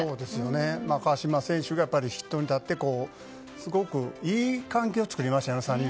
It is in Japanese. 川島選手が筆頭に立ってすごくいい関係を作りましたよね。